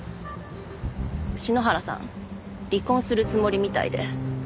篠原さん離婚するつもりみたいで。